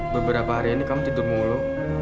beberapa hari ini kamu tidur mulu